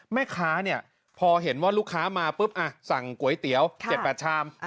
แม่ค้าเนี่ยพอเห็นว่าลูกค้ามาปุ๊บสั่งก๋วยเตี๋ยว๗๘ชาม